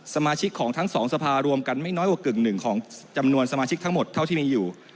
สมาชิกของทั้งสองสภารวมกันไม่น้อยกว่ากึ่งหนึ่งของจำนวนสมาชิกทั้งหมดเท่าที่มีอยู่